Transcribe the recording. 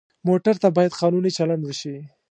موټر ته باید قانوني چلند وشي.